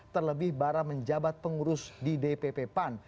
terlebih bara menjabat pengurus di dpp pan